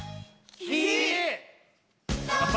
き！